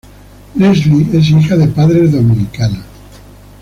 Leslie es hija de padres dominicanos.